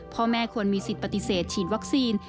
พ่อแม่ควรมีสิทธิ์ปฏิเสธฉีดวัคซีน